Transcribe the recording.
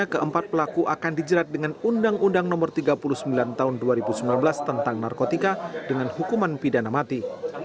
keempat pelaku akan dijerat dengan undang undang no tiga puluh sembilan tahun dua ribu sembilan belas tentang narkotika dengan hukuman pidana mati